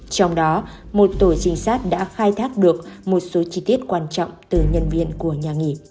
trong đó một tổ trinh sát đã khai thác được một số chi tiết quan trọng từ nhân viên của nhà nghỉ